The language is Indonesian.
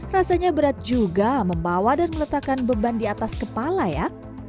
rasanya berat juga membawa dan meletakkan beban di atas kepala ya